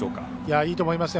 いいと思いますよ。